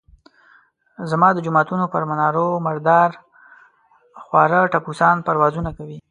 زما د جوماتونو پر منارونو مردار خواره ټپوسان پروازونه کوي.